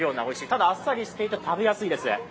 ただ、あっさりしていて食べやすいです。